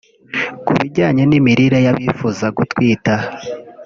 Ku bijyanye n’imirire y’abifuza gutwita